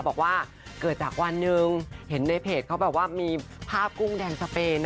บอกว่าเกิดจากวันหนึ่งเห็นในเพจเขาแบบว่ามีภาพกุ้งแดนสเปน